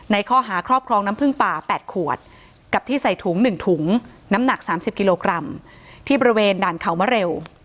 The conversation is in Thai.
ในข้อหาครอบครองน้ำพึ่งป่า๘ขวดกับที่ใส่ถุง๑ถุงน้ำหนัก๓๐กิโลกรัมที่บริเวณด่านเขามาเร็ว